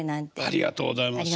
ありがとうございます。